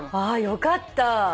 よかった。